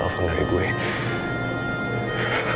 putri aku nolak